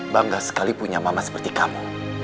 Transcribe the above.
bangga sekali punya mama seperti kamu